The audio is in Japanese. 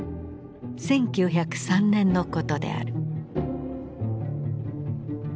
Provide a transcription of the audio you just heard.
１９０３年のことである。